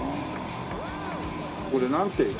これなんて駅？